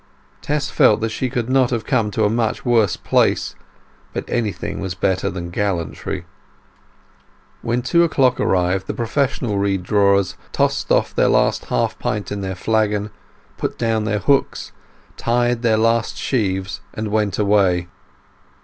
Tess felt that she could not have come to a much worse place; but anything was better than gallantry. When two o'clock arrived the professional reed drawers tossed off the last half pint in their flagon, put down their hooks, tied their last sheaves, and went away.